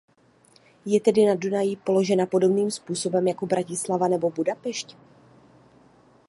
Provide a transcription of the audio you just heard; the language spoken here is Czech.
Je tedy na Dunaji položena podobným způsobem jako Bratislava nebo Budapešť.